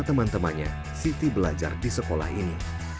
teman temannya siti belajar di sekolah ini